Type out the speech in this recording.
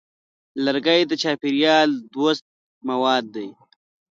لرګی د چاپېریال دوست مواد دی.